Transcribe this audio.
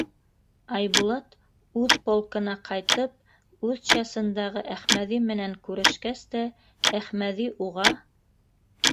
Айбулат, үҙ полкына ҡайтып, үҙ часындағы Әхмәҙи менән күрешкәс тә, Әхмәҙи уға: